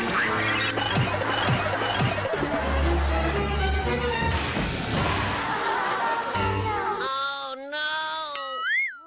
อ้าวน้าว